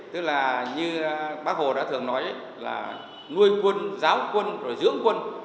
tức là như bác hồ đã thường nói là nuôi quân giáo quân rồi dưỡng quân